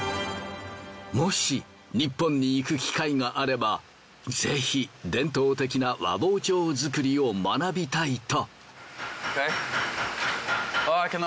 もしニッポンに行く機会があればぜひ伝統的な和包丁づくりを学びたいと。